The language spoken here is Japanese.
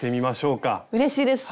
うれしいです！